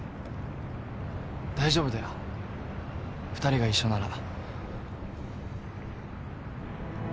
大丈夫だよ２人が一緒なら。